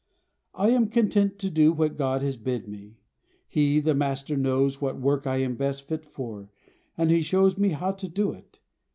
I am content to do What God has bid me: He, the Master, knows What work I am best fit for, and He shows Me how to do it.